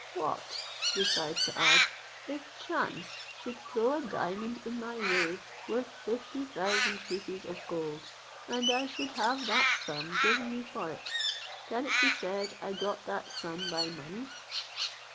"What," replied Saad, "if chance should throw a diamond in my way worth fifty thousand pieces of gold, and I should have that sum given me for it, can it be said I got that sum by money?"